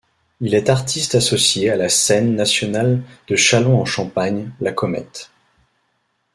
Il est artiste associé à la scène nationale de Châlons-en-Champagne, La Comète.